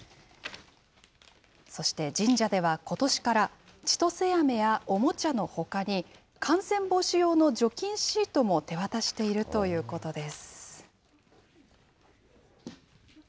そして神社ではことしからちとせあめやおもちゃのほかに、感染防止用の除菌シートも手渡しているということです。